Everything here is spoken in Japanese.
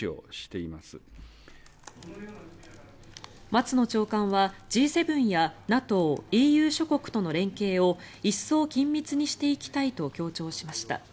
松野長官はＧ７やＮＡＴＯ、ＥＵ諸国との連携を一層緊密にしていきたいと強調しました。